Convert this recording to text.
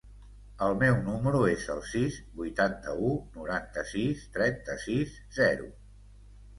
El meu número es el sis, vuitanta-u, noranta-sis, trenta-sis, zero.